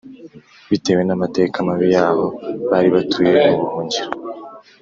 bitewe n amateka mabi y aho bari batuye mu buhungiro